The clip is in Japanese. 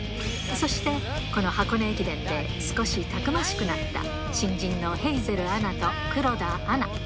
そして、この箱根駅伝で、少したくましくなった新人のヘイゼルアナと黒田アナ。